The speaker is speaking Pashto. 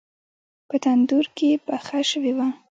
په تندور کې پخه شوې وه.